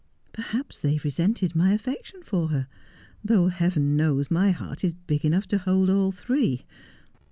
Perhaps they have resented my affection for her, though Heaven knows my heart is big enough to hold all three.